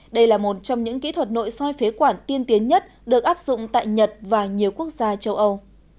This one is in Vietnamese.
đây là một trong những kỹ thuật nội soi phế quản tiên tiến nhất được áp dụng tại nhật và nhiều quốc gia châu âu